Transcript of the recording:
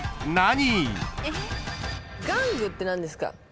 玩具って何ですか？